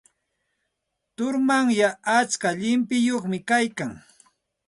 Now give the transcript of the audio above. Turumanyay atska llimpiyuqmi kaykan.